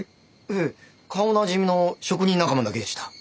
へえ顔なじみの職人仲間だけでした。